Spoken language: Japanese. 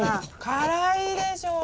辛いでしょう！